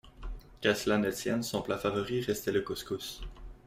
Qu’à cela ne tienne, son plat favori restait le couscous.